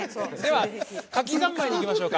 柿ざんまいにいきましょうか。